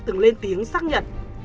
từng lên tiếng xác nhận